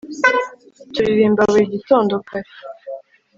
turirimba buri gitondo kare